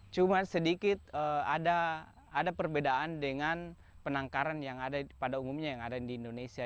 cuma sedikit ada perbedaan dengan penangkaran yang ada pada umumnya yang ada di indonesia